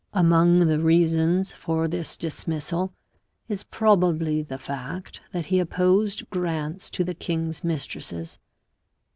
Among the reasons for this dismissal is probably the fact that he opposed grants to the king's mistresses.